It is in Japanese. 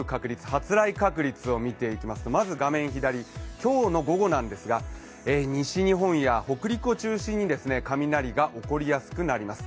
発雷確率を見ていきますと、まず画面左、今日の午後なんですが、西日本や北陸を中心に雷が起こりやすくなります。